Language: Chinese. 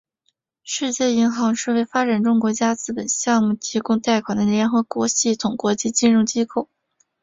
世界银行是为发展中国家资本项目提供贷款的联合国系统国际金融机构。